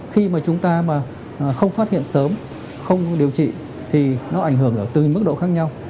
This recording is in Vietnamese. khi mà chúng ta mà không phát hiện sớm không điều trị thì nó ảnh hưởng ở từng mức độ khác nhau